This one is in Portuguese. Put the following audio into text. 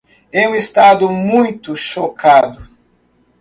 Em um estado muito chocado